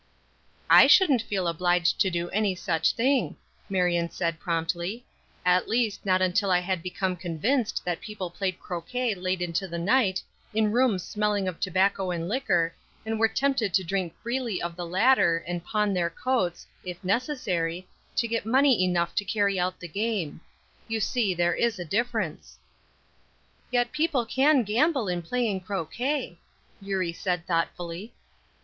"I shouldn't feel obliged to do any such thing," Marion said, promptly; "at least, not until I had become convinced that people played croquet late into the night, in rooms smelling of tobacco and liquor, and were tempted to drink freely of the latter, and pawn their coats, if necessary, to get money enough to carry out the game. You see, there is a difference." "Yet people can gamble in playing croquet," Eurie said, thoughtfully.